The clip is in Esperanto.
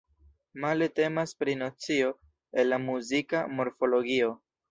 Male temas pri nocio el la muzika morfologio.